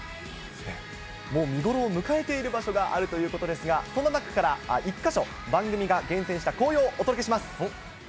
もう見頃を迎えている場所があるということですが、その中から１か所、番組が厳選した紅葉、お届けします。